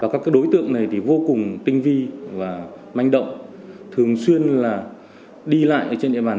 các đối tượng này vô cùng tinh vi và manh động thường xuyên là đi lại trên địa bàn